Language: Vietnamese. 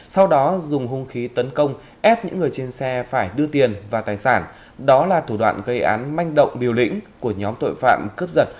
sau đó dùng hung khí tấn công ép những người trên xe phải đưa tiền và tài sản đó là thủ đoạn gây án manh động liều lĩnh của nhóm tội phạm cướp giật